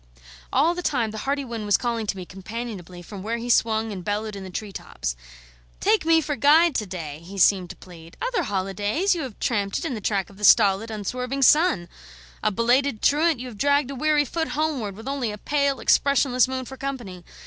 All the time the hearty wind was calling to me companionably from where he swung and bellowed in the tree tops. "Take me for guide to day," he seemed to plead. "Other holidays you have tramped it in the track of the stolid, unswerving sun; a belated truant, you have dragged a weary foot homeward with only a pale, expressionless moon for company.